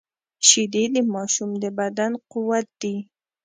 شیدې د ماشوم د بدن قوت دي